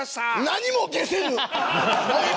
何も解せぬ。